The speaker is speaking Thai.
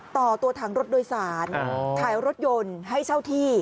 ต่อตัวถังรถโดยสารขายรถยนต์ให้เช่าที่